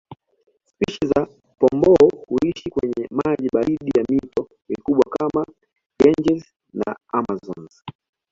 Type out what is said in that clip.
Spishi za Pomboo huishi kwenye maji baridi ya mito mikubwa kama Ganges na Amazones